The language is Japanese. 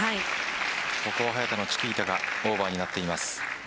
ここは早田のチキータがオーバーになっています。